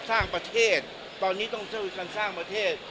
สร้างประเทศตอนนี้ต้องช่วยกันสร้างประเทศ